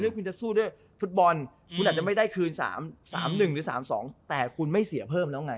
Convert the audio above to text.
คุณจะสู้ด้วยฟุตบอลคุณอาจจะไม่ได้คืน๓๑หรือ๓๒แต่คุณไม่เสียเพิ่มแล้วไง